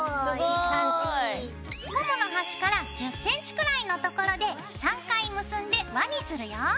ゴムの端から１０ｃｍくらいの所で３回結んで輪にするよ。